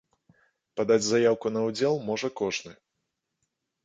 Падаць заяўку на ўдзел можа кожны.